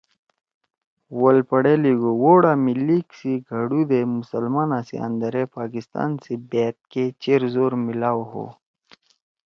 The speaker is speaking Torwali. وَلپرٹ ئے لیِگُو، ”ووٹا می لیگ سی گھڑُو دے مسلمانا سی آندَرے پاکستان سی بأت کے چیر زور میِلاؤ ہُو“